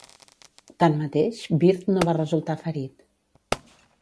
Tanmateix, Birt no va resultar ferit.